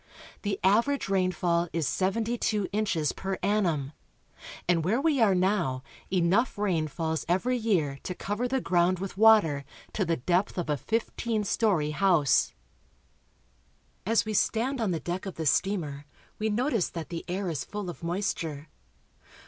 The average rainfall is seventy two inches per annum, and where we are now enough rain falls every year to cover the ground with water to the depth of a fifteen story house. Exploring the Amazon. As we stand on the deck of the steamer we notice that the air is full of moisture.